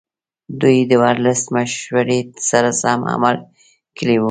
دوی د ورلسټ مشورې سره سم عمل کړی وي.